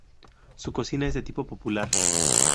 Su cocina es de tipo popular.